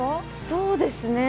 そうですね。